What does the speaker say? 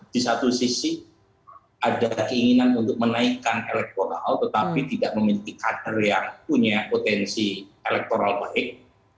di satu sisi ada keinginan untuk menaikkan elektoral tetapi tidak memiliki kader yang punya potensi elektoral baik